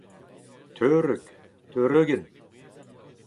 teureug, teureugenn